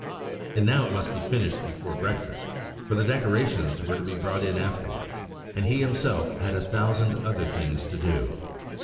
And now it must be finished before breakfast; for the decorations were to be brought in afterwards, and he himself had a thousand other things to do.